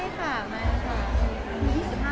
สมมติก็หลายที่ยืดเยอะแกดมานานกว่า